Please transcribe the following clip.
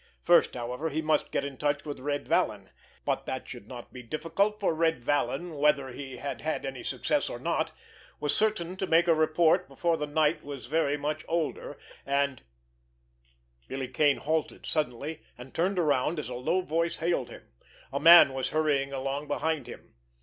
First, however, he must get in touch with Red Vallon. But that should not be difficult, for Red Vallon, whether he had had any success or not, was certain to make a report before the night was very much older, and— Billy Kane halted suddenly, and turned around, as a low voice hailed him. A man was hurrying along behind him.